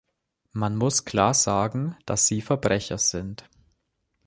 Man muss klar sagen, dass sie Verbrecher sind.